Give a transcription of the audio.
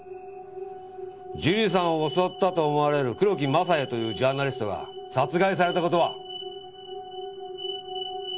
樹里さんを襲ったと思われる黒木政也というジャーナリストが殺害された事は？